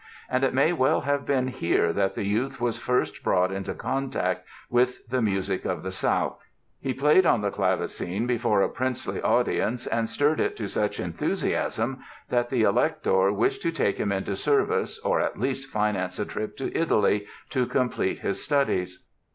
And it may well have been here that the youth was first brought into contact with the music of the South. He played on the clavecin before a princely audience and stirred it to such enthusiasm that the Elector wished to take him into service or at least finance a trip to Italy, to complete his studies.